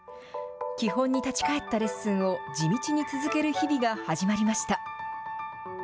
基本に立ち返ったレッスンを地道に続ける日々が始まりました。